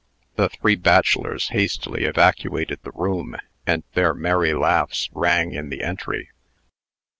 The three bachelors hastily evacuated the room, and their merry laughs rang in the entry.